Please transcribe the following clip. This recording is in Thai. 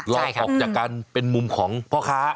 ออกจากการเป็นมุมของพ่อค้า